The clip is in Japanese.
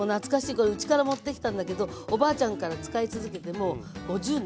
これうちから持って来たんだけどおばあちゃんから使い続けてもう５０年。